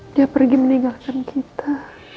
dia pergi meninggalkan kita